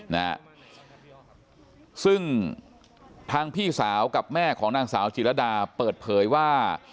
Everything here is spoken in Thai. นะฮะซึ่งทางพี่สาวกับแม่ของนางสาวจิรดาเปิดเผยว่า